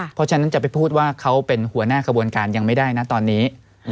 เพราะฉะนั้นจะไปพูดว่าเขาเป็นหัวหน้ากระบวนการยังไม่ได้นะตอนนี้